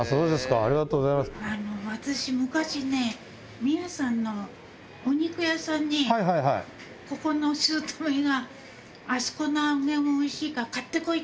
ありがと私、昔ね、宮さんのお肉屋さんに、ここのしゅうとめが、あそこの揚げ物おいしいから買って来いって。